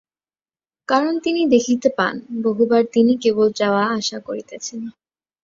কারণ তিনি দেখিতে পান, বহুবার তিনি কেবল যাওয়া-আসা করিতেছেন।